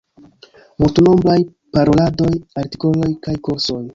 Multnombraj paroladoj, artikoloj kaj kursoj.